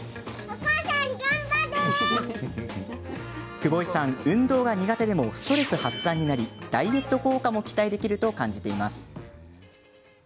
久保井さん、運動が苦手でもストレス発散になりダイエット効果も期待できると感じています。